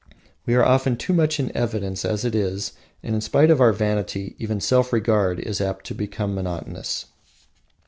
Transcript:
We are often too much in evidence as it is, and in spite of our vanity even self regard is apt to become monotonous.